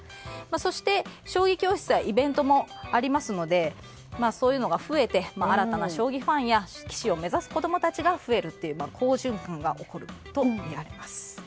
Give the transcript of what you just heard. そして、将棋教室やイベントもありますのでそういうのが増えて新たな将棋ファンや棋士を目指す子供たちが増える好循環が起きるとみられます。